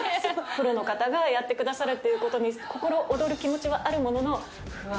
プロの方がやってくださるということに心躍る気持ちはあるものの。